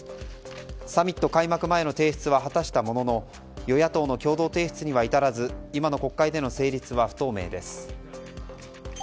サミット開幕前の提出は果たしたものの与野党の共同提出には至らず今の国会での成立は不透明です。